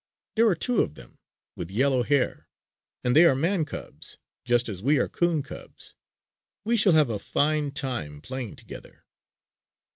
There are two of them, with yellow hair. And they are man cubs, just as we are 'coon cubs. We shall have a fine time playing together."